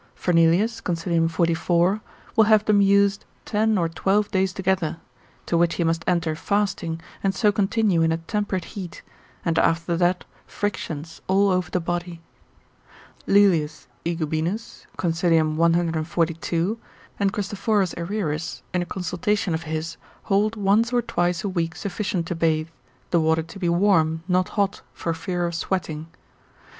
Fernelius, consil. 44. will have them used ten or twelve days together; to which he must enter fasting, and so continue in a temperate heat, and after that frictions all over the body. Lelius Aegubinus, consil. 142. and Christoph. Aererus, in a consultation of his, hold once or twice a week sufficient to bathe, the water to be warm, not hot, for fear of sweating.